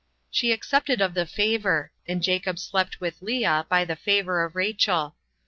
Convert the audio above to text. She accepted of the favor, and Jacob slept with Lea, by the favor of Rachel.